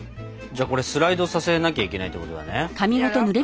じゃあこれスライドさせなきゃいけないってことだね。